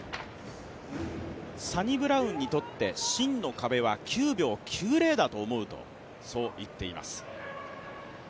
サニブラウンにとって真の壁は９秒９０だと思うとそう言っています。